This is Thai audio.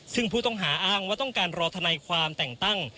ซึ่งผู้ต้องหาอ้างว่าต้องการรอธนายความแต่งตั้ง